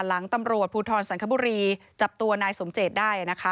หลังตำรวจภูทรสังคบุรีจับตัวนายสมเจตได้นะคะ